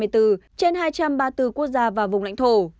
trên hai trăm ba mươi bốn quốc gia và vùng lãnh thổ